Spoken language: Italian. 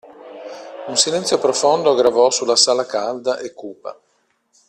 Un silenzio profondo gravò sulla sala calda e cupa.